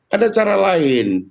ada cara lain